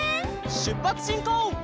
しゅっぱつしんこう！